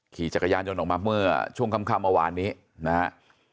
ขี่จักรยานยนต์ออกมาเมื่อช่วงค่ำเมื่อวานนี้นะครับ